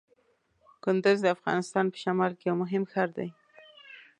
کندز د افغانستان په شمال کې یو مهم ښار دی.